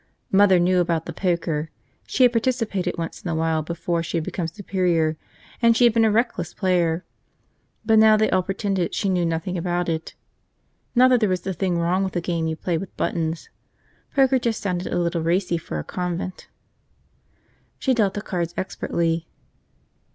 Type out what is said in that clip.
Mother knew about the poker. She had participated once in a while before she had become superior, and she had been a reckless player. But now they all pretended she knew nothing about it. Not that there was a thing wrong with a game you played with buttons. Poker just sounded a little racy for a convent. She dealt the cards expertly.